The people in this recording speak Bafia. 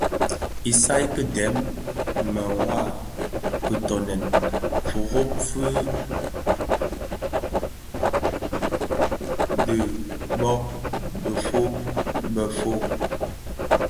Isaï ki dèm, mëwa; kitoňèn, firob fidyom fi kè dhibo bëfœug befog mbiň,